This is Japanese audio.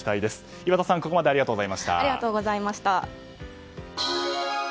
岩田さん、ここまでありがとうございました。